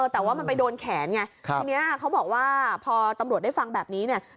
แต่ว่ามันไปโดนแขนไงทีนี้เขาบอกว่าพอตำรวจได้ฟังแบบนี้เนี่ย